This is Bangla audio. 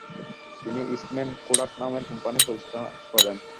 তিনি ইস্টম্যান কোডাক নামের কোম্পানি প্রতিষ্ঠা করেন।